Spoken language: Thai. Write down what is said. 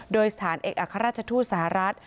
โดยสถานเอกอัครราชทูตสหรัฐ